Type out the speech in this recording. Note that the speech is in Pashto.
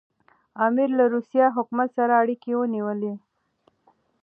امیر له روسي حکومت سره اړیکي ونیولې.